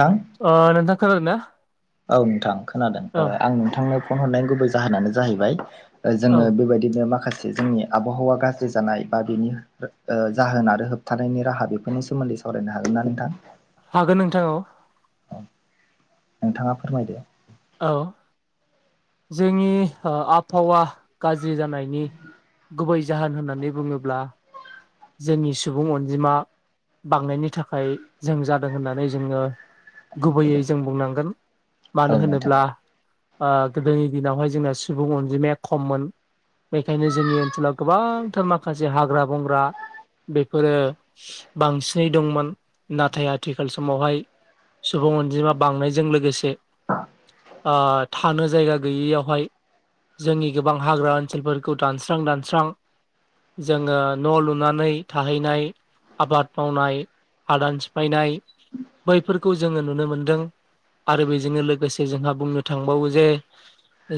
हा? आ नोथां खोनादोंना? औ नोंथां खोनादों ओ आं नोंथांनो फन हरनाय गुबै जाहोनानो जाहैबाय औ जोङो बेबायदिनो माखासे जोंनि आबहावा गाज्रि जानाय बा बेनि ओ जाहोन आरो होबथानायनि राहा बेफोरनि सोमोन्दै स सावरायनो हागोन ना नोंथां? हागोन नोंथां औ। औ नोंथाङा फोरमायदो औ जोंनि ओ आबहावा गाज्रि जानायनि गुबै जाहोन होननानै बुंङोब्ला जोंनि सुबुं अनजिमा बांनायनि थाखाय जों जादों होननानै जोंङो गुबैयै जों बुंनांगोन औ मानो नोंथां होनोब्ला ओ गोदोनि दिनावहाय जोंना सुबुं अनजिमाया खममोन बेखायनो जोंनि ओनसोलाव गोबांथार माखासे हाग्रा बंग्रा बेफोरो बांसिनै दंमोन नाथाय आथिखाल समावहाय सुबुं अनजिमा बांनायजों लोगोसे ओ थानो जायगा गैयियावहाय जोंनि गोबां हाग्रा ओनसोलफोरखौ दानस्रां दानस्रां जोंङो न' लु नानै थाहैनाय आबाद मावनाय हादान सिफायनाय बैफोरखौ जोंङो नुनो मोनदों आरो बेजोंनो लोगोसे जोंहा बुंनो थांबावो जे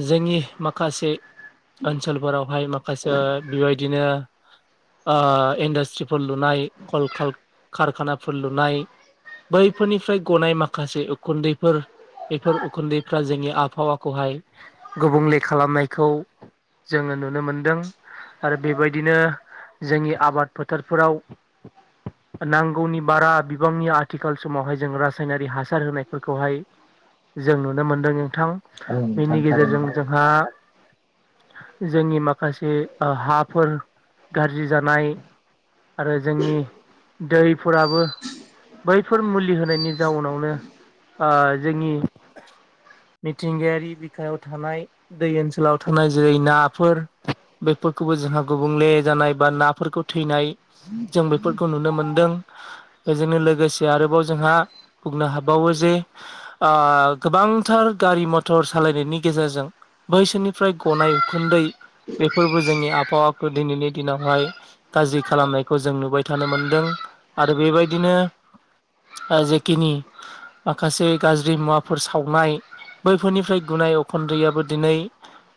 जोंनि माखासे ओनसोलफोरावहाय माखासे बेबायदिनो ओ इन्डास्ट्रिफोर लुनाय कल काल कारखानाफोर लुनाय बैफोरनिफ्राय गनाय माखासे उखुन्दैफोर बेफोर उखुन्दैफ्रा जोंनि आबहावाखौहाय गुबुंले खालामनायखौ जोङो नुनो मोनदों आरो बेबायदिनो जोंनि आबाद फोथारफोराव [unintelligible] नांगौनि बारा बिबांनि आथिखाल समावहाय जों रासायनारि हासार होनायफोरखौहाय जों नुनो मोनदों नोंथां औ नोंथां बेनि गेजेरजों थारैनो जों हा जोंनि माखासे हाफोर गाज्रि जानाय आरो जोंनि दैफोराबो बैफोर मुलि होनायनि जाउनावनो ओ जोंनि मिथिंगायारि बिखायाव थानाय दै ओनसोलाव थानाय जेरै नाफोर बेफोरखौबो जोंहा गुबुंले जानाय बा नाफोरखौ थैनाय जों बेफोरखौ नुनो मोनदों बेजोंनो लोगोसे आरोबाव जोंहा बुंनो हाबावो जे ओ गोबांथार गारि मथर सालायनायनि गेजेरजों बैसोरनिफ्राय गनाय उखुन्दै बेफोरबो जोंनि आबहावाखौ दिनैनि दिनावहाय गाज्रि खालामनायखौ जों नुबाय थानो मोनदों आरो बेबायदिनो ओ जेखिनि माखासे गाज्रि मुवाफोर सावनाय बैफोरनिफ्राय गुनाय उखन्दैयाबो दिनै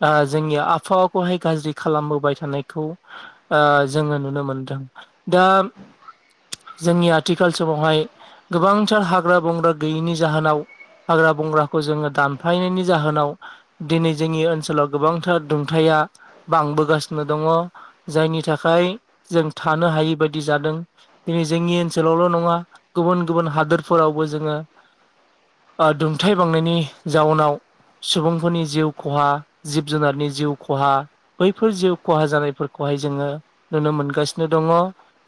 ओ जोंनि आबहावाखौहाय गाज्रि खालामबोबाय थानायखौ ओ जोङो नुनो मोनदों दा जोंनि आथिखाल समावहाय गोबांथार हाग्रा बंग्रा गैयैनि जाहोनाव हाग्रा बंग्राखौ जोङो दानफायनायनि जाहोनाव दिनै जोंनि ओनसोलाव गोबांथार दुंथाया बांबोगासिनो दङ जायनि थाखाय जों थानो हायै बायदि जादों दिनै जोंनि ओनसोलावल' नङा गुबुन गुबुन हादोरफोरावबो जोङो दुंथाय बांनायनि जाउनाव सुबुंफोरनि जिउ खहा जिब जुनारनि जिउ खहा बैफोर जिउ खहा जानायफोर खौहाय जोङो नुनो मोनगासिनो दङ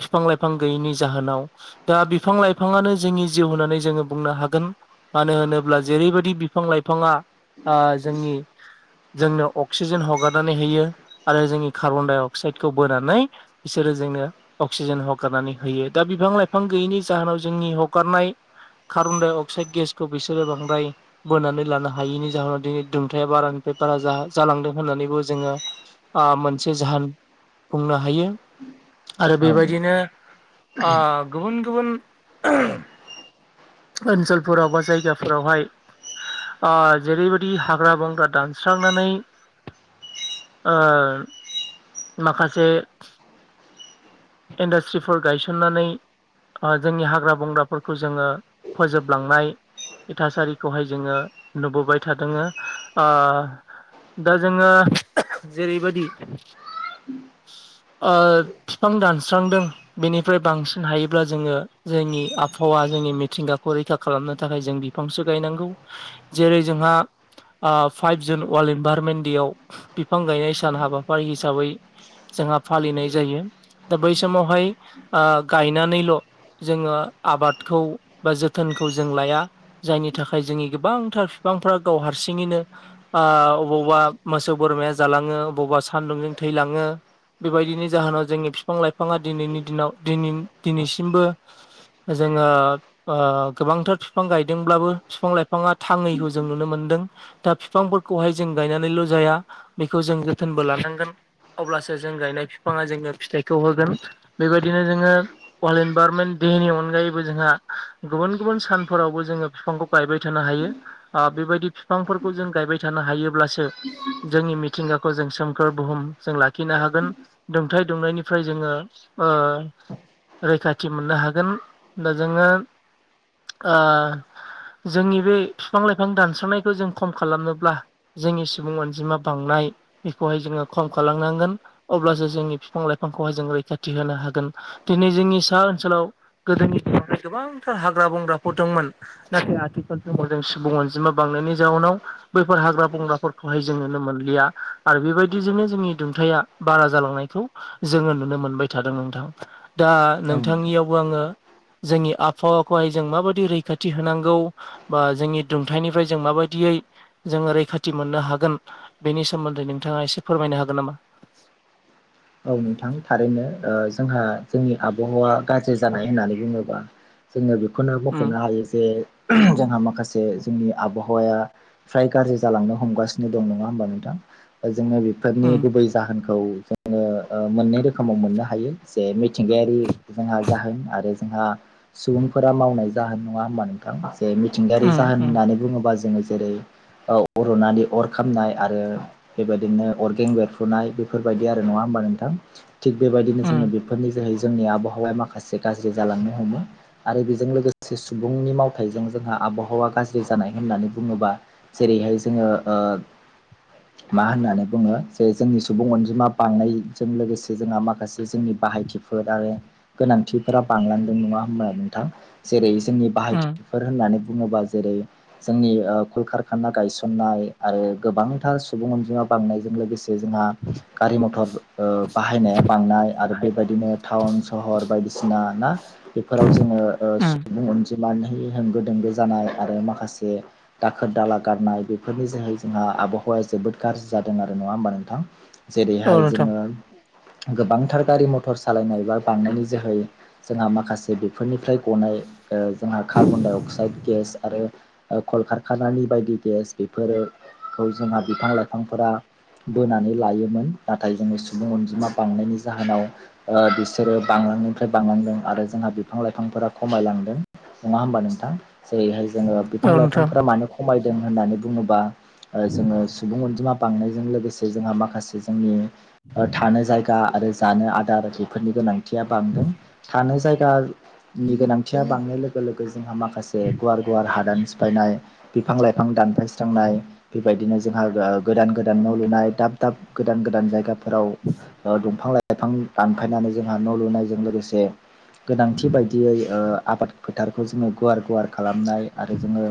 बिफां लाइफां गैयैनि जाहोनाव दा बिफां लाइफाङानो जोंनि जिउ होननानै जोंङो बुंनो हागोन मानो होनोब्ला जेरैबायदि बिफां लाइफाङा ओ जोंनि जोंनो अक्सिजेन हगारनानै होयो आरो जोंनि कार्बन डाइ अक्साइडखौ बोनानै बिसोरो जोंनो अक्सिजेन हगारनानै होयो दा बिफां लाइफां गैयैनि जाहोनाव जोंनि हगारनाय कार्बन डाइ अक्साइड गेसखौ बिसोरो बांद्राय बोनानै लानो हायैनि जाहोनाव दिनै दुंथाया बारानिफ्राय बारा जालांदों होननानैबो जोङो ओ मोनसे जाहोन बुंनो हायो आरो औ नोंथां बेबायदिनो ओ गुबुन गुबुन ओनसोलफोराव बा जायगाफोरावहाय ओ जेरैबायदि हाग्रा बंग्रा दानस्रांनानै ओ माखासे इन्डास्ट्रिफोर गायसननानै जोंनि हाग्रा बंग्राफोरखौ जोङो फोजोबलांनाय बे थासारिखौहाय जोङो नुबोबाय थादों ओ दा जोङो जेरैबायदि ओ बिफां दानस्रांदों बेनिफ्राय बांसिन हायोब्ला जोङो जोंनि आबहावा जोंनि मिथिंगाखौ रैखा खालामनो थाखाय जों फांसो गायनांगौ जेरै जोंहा five June world environment day बिफां गायनाय सान हाबाफारि हिसाबै जोंहा फालिनाय जायो दा बै समावहाय ओ गायनानैल' जोङो आबादखौ बा जोथोनखौ जों लाया जायनि थाखाय जोंनि गोबांथार बिफांफ्रा गाव हारसिङैनो ओ अबावबा मोसौ बोरमाया जालाङो अबावबा सानदुंजों थैलाङो बेबायदिनि जाहोनाव जोंनि बिफां लाइफाङा दिनैनि दिनाव दिनैसिमबो जोङो ओ गोबांथार बिफां गायदोंब्लाबो बिफां लाइफाङा थाङैखौ जों नुनो मोनदों दा बिफांफोरखौहाय जों गायनानैल' जाया बेखौ जों जोथोनबो लानांगोन अब्लासो जों गायनाय बिफाङा जोङनो फिथाइखौ होगोन बेबायदिनो जोङो वार्ल्ड इनभाररनमेन्ट देनि अनगायैबो जोंहा गुबुन गुबुन सानफोरावबो जोङो बिफांखौ गायबाय थानो हायो ओ बेबायदि बिफांफोरखौ जों गायबाय थानो हायोब्लासो जोंनि मिथिंगाखौ जों सोमखोर बुहुम जों लाखिनो हागोन दुंथ दुंनायनिफ्राय जोङो ओ रैखाथि मोननो हागोन दा जोङो ओ जोंनि बे बिफां लाइफां दानस्रांनायखौ जों खम खालामनोब्ला जोंनि सुबुं अनजिमा बांनाय बेखौहाय जोङो ख खालामनांगोन अब्लासो जोंनि बिफां लाइफांखौहाय जों रैखाथि होनो हागोन दिनै जोंनि सा ओनसोलाव गोदोनि दिाव गोबांथार हाग्रा बंग्राफोर दंमोन नाथाय आथिखालनि माव जों सुबुं अनजिमा बांनायनि जाउनाव बैफोर हाग्रा बंग्राफोरखौहाय जों नुनो मोनलिया आरो बेबायदिजोंनो जोंनि दुंथाया बारा जालांनायखौ जोङो नुनो मोनबाय थादों नोंथां दा औ नोंथां नोंथांनियावबो आङो जोंनि आबहावाखौहाय जों माबायदि रैखाथि होनांगौ। बा जोंनि दुंथायनिफ्राय जों माबायदियै जोङो रैखाथि मोननो हागोन। बेनि सोमोन्दै नोंथाङा एसे फोरमायनो हागोन नामा? औ नोंथां थारैनो ओ जोंहा जोंनि आबहावा गाज्रि जानाय होननानै बुङोबा जोङो बेखौनो उम मख'नो हायो जे जोंहा माखासे जोंनि आबहावाया फ्राय गाज्रि जालांनो हमगासिनो दं नङा होमबा नोंथां। जोङो बेफोरनि उम गुबै जाहोनखौ ओ जोङो मोननै रोखोमाव मोननो हायो जे मिथिंगायारि जोंहा जाहोन आरो जोंहा सुबुंफोरा मावनाय जाहोन नङा होमबा नोंथांसे मिथिंगायारि उम जाहोन उम होननानै बुङोबा जोङो जेरै अ रुनानै अर खामनाय आरो बेबायदिनो अर गें बेरफुनाय बेफोरबायदि आरो नङा हबा नोंथां थिग बेबायदिनो जोङो उम बेफोरनि जोै जोंनि आबहावाया माखासे गासे गाज्रि जालांनो हमो आरो बेजों लोगोसे सुबुंनि मावथायाइजों जोंहा आबहावा गाज्रि जानाय होननानै बुङोबा जेरैहाय जोङो ओ मा होननानै बुङो जे जोंनि सुबुं अनजिमा बांनायजों लोगोसे जोंहा माखासे जोंनि बाहायथिफोर आरो गोनांथिफोरा बांलांदों नङा होमबा नोंथां। जेरै जोंनि उम बाहायथिफोर होननानै बुङोबा। जेरै जोंनि ओ कुल कारखाना गायसननाय आरो गोबांथार सुबुं अनजिमा बांनायजों लोगोसे जोंहा गारि, मथर ओ बाहायनाया बांनाय आरो बेबायदिनो टाउन सहर बायदिसिना ना बेफोराव जोङो ओ उम सुबुं अन दिमानहै होंगो दोंगो जानाय आरो माखासे दाखोर दाला गारनाय बेफोरनि जोहै जोंहा आबहावाया जोबोद गाज्रि जादों आरो नङा होमबा नोंथां। औ जेरैहाय नोंथां जोङो गोबांथार गारि मथर सालायनाय बा बांनायनि जोहै जोंहा माखासे बेफोरनिफ्राय गनाय ओ जोंहा कार्बनडाइ अक्साइड गेस आरो ओ कल खारखानानि बायदि गेस बेफोरखौ जोंहा बिफां लाइफांफोरा बोनानै लायोमोन। नाथाय जोङो सुबुं अनजिमा बांनायनि जाहोनाव ओ बिसोरो बांलांनायनिफ्राय बांलांदों आरो जोंहा बिफां लाइफांफोरा खमायलांदों। नङा होमला नोंथां। जेरै हाय जोङो बिफां औ नोंथां लाइफांफोरा मानो खमायदों होननानै बुङोबा ओ जोङो सुबुं अनजिमा बांनायजों लोगोसे जोंहा माखासे जोंनि ओ थानो जायगा आरो जानो आदार बेफोरनि गोनांथिया बांदों। थानो जायगानि गोनांथिया बांनाय लोगो लोगो जोंहा माखासे गुवार गुवार हादान सि फायनाय बिफां लाइफां दानफायस्रांनाय बेबायदिनो जोंहा ओ गोदान गोदान न' लुनाय दाब दाब गोदान गोदान जायगाफोराव ओ दंफां लाइफां दानफायनानै जोंहा न' लुनायजों लोगोसे गोनांथि बायदियै ओ आबाद फोथारखौ जोङो गुवार गुवार खालामनाय आरो जोङो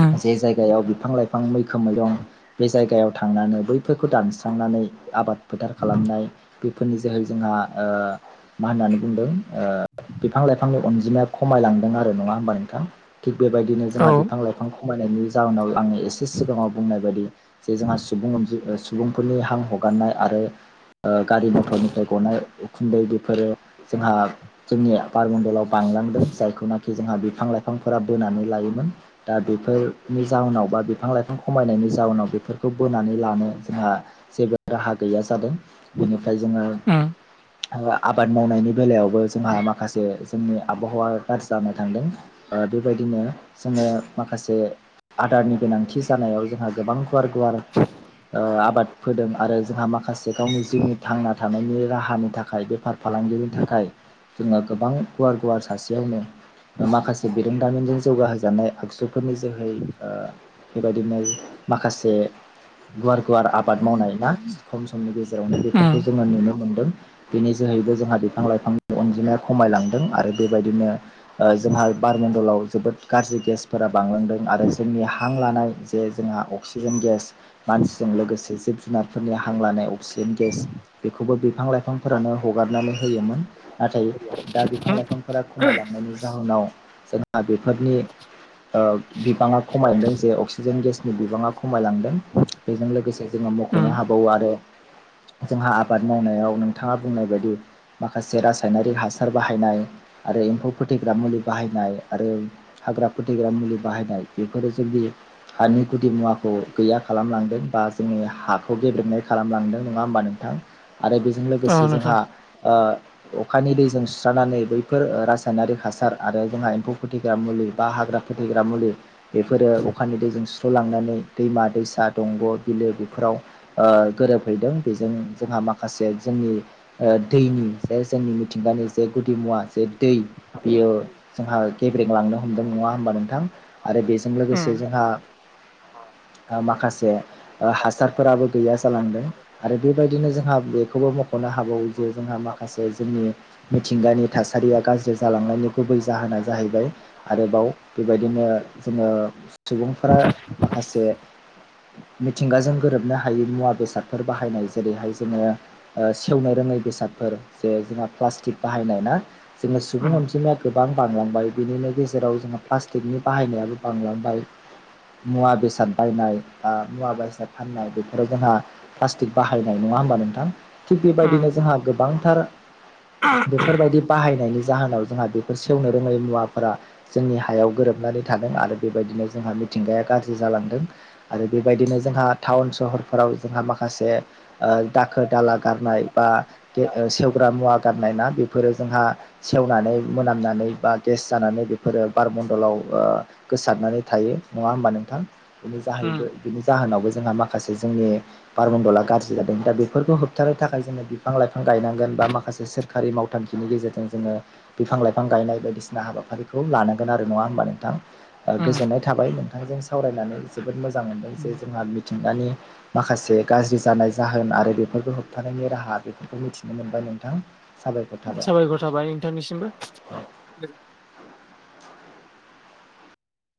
उम जे जायगायाव बिफां लाइफां मैखोमै दं। बे जायगायाव थांनानै बैफोरखौ दानस स्रां नानै आबाद फोथार खालामनाय बेफोरनि जोहै जोंहा ओ मा होननानै बुंदों? ओ बिफां लाइफांनि अनजिमाया खमायलांदों आरो नङा होमबा नोंथां। थिग बेबायदिनो औ जोंहा बिफां लाइफ खमायनायनि जाउनाव आं एसे सिगाङाव बुंनाय बायदि जे जोंहा सुबुं अनजि फोरनि हां हगारनाय आरो ओ गारि मथरनिफ्राय गनाय उख खुन्दै बेफोरो जोंहा जोंनि बारमडलाव बांलांदों। जायखौनाखि जोंहा बिफां लाइफां फांफोरा बोनानै लायोमोन। दा बेफोरनि जाहोनाव बा बिफां लाइफां खमायनायनि जाउनाव बेफोरखौ बोनानै लानो जोंहा जेबो राहा गैया जादों। बेनिफ्राय जोङो उम ओ आबाद मावनायनि बेलायावबो जोंहा माखासे जोंनि आबहावाया गाज्रि जानो थांदों। ओ बेबायदिनो जोङो माखासे आदारनि गोनांथि जानायाव जोंहा गोबां गुवार गुवार ओ आबाद फोदों आरो जोंहा माखासे गावनि जिउनि थांना थानायनि राहानि थाखाय बेफार फालांगिनि थाखाय जोङो गोबां गुवार गुवार सासेयावनो ओ माखासे बिरोंदामिनजों जौगाहोजानाय आगजु फोरनि जोहै बेबायदिनो माखासे गुवार गुवार आबाद आबाद मावनाय ना खम समनि गेजेरावनो उम बेफोरखौ जोङो नुनो मोनदों। बिनि जोहैबो जोंहा बिफां लाइफांनि अनजिमाया खमायलांदों आरो बेबायदिनो जोंहा बारमडलाव जोबोद गाज्रि गेसफोरा बांलांदों आरो जोंनि हां लानाय जे जोंहा अक्सिजेन गेस मानसिजों लोगोसे जिब जुनारफोरनि हां लानाय अक्सिजेन गेस बेखौबो बिफां लाइफां फोरानो हगारनानै होयोमोन, नाथाय दा बिफां लाइफांफोरा खमायलांनायनि जाहोनाव जों आ बेफोरनि ओ बिबाङा खमायदों। जे अक्सिजेन गेसनि बिबाङा ख खमायलांदों बेजों लोगोसे जोङो मख'नो उम हाबावो। आरो जोंहा आबाद मावनायाव नोंथाङा बुंनाय बायदि माखासे रासायनारिक हासार बाहायनाय। आरो एम्फौ फोथैग्रा मुलि बाहायनाय आरो हाग्रा फोथैग्रा मुलि बाहायनाय बेफोरो जोंनि हानि गुदि मुवाखौ गैया खालामलांदों बा जोंनि हाखौ गेब्रेबनाय खालामलांदों नङा होमबा नोंथां? आरो बेजों औ लोगोसे नोंथां जोंहा ओ! अखानि दैजों सुस्रानानै बैफोर रासायनारिक हासार आरो जोंहा एम्फौ फुथैग्रा मुलि बा हाग्रा फोथैग्रा मुलि बेफोरो अखानि दैजों सुस्र'लांनानै दैमा दैसा दंग' बिलो बेफोराव गोरोबहैदों बेजों जोंहा माखासे जोंनि ओ दैनि जे जोंनि मिथिंगानि जे गुदि मुवा जे दै बियो जोंहा गेब्रें लांनो हमदों नङा होमबा नोंथां? आरो बेजों लोगोसे उम जोंहा माखासे हासारफोराबो गैया जालांदों। आरो बेबायदिनो जोंहा बेखौबो मख'नो हाबावो जे जोंहा माखासे जोंनि मिथिंगानि थासारिया गाज्रि जालांनायनि गुबै जाहोना जाहैबाय आरोबाव बेबायदिनो जोङो सुबुंफोरा माखासे मिथिंगाजों गोरोबनो हायि मुवा बेसादफोर बाहायनाय जेरैहाय जोङो सेवनो रोङै बेसादफोर जे जोंहा प्लास्टिक बाहायनाय ना जोङो सुबुं उम अनजिमाया गोबां बांलांबाय बिनिनो गेजेराव जोंहा प्लास्टिकनि बाहायनायाबो बांलांबाय। मुवा बेसाद बायनाया बा मुवा बायदि सिना फाननाय बेफोराव जोंहा प्लास्टिक बाहायनाय नङा होमबा नोंथां? थिग उम बेबायदिनो जोंहा गोबांथार बेफोरबायदि बाहायनायनि जाहोनाव जोंहा बेफोर सेवनो रोङै मुवाफोरा जोंनि हायाव गोरोबनानै थादों आरो बेबायदिनो जोंहा मिथिंगाया गाज्रि जालांदों। आरो बेबायदिनो जोंहा टाउन सहरफोराव जोंहा माखासे दाखोर दाला गारनाय बा सेवग्रा मुवा गारनाय ना बेफोरो जोंहा सेवनानै मोनामनानै बा गेस जानानै बेफोरो बारमन्दलाव उआ गोसारनानै थायो नङा होमबा नोंथां? बिनि जाहैबो उम बिनि जाहोनावबो जोंहा माखासे जोंनि बारमन्दला गाज्रि जादों दा बेफोरखौ होबथानो थाखाय जोङो बिफां लाइफां गायनांगोन बा माखासे सोर खारि मावथांखिनि गेजेरजों जोङो बिफां लाइफां गायनाय बायदिसिना हाबाफारिखौ लानांगोन आरो नङा होमबा नोंथां? उम गोजोननाय थाबाय नोंथांजों सावरायनानै जोबोद मोजां मोनदों जे जोंहा मिथिंगानि माखासे गाज्रि जानाय जाहोन आरो बेफोरफोरखौ होबथानायनि राहा बेफोरखौ मिथिनो मोनबाय नोंथां। साबायखर थाबाय साबायखर थाबाय नोंथांनिसिमबो।